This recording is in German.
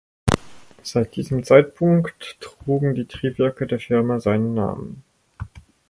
Seit diesem Zeitpunkt trugen die Triebwerke der Firma seinen Namen.